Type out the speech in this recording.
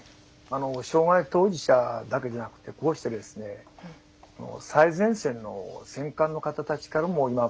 障害当事者だけじゃなくてこうして、最前線の選管の方たちからも今、伺っていますからね。